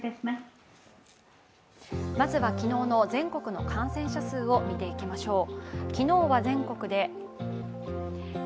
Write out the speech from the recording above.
まずは昨日の全国の感染者数を見ていきましょう。